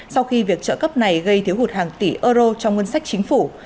sau khi việc trợ cấp này gây thiếu hụt hàng tỷ euro trong ngân sách chính phủ